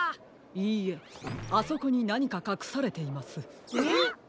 いいえあそこになにかかくされています。